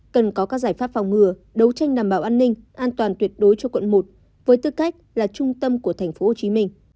cần có các giải pháp phòng ngừa đấu tranh đảm bảo an ninh an toàn tuyệt đối cho quận một với tư cách là trung tâm của tp hcm